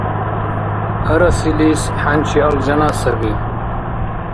Арасилис хӀянчи алжана саби.